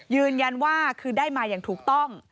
ยืนยันว่าคือได้มาอย่างถูกต้อง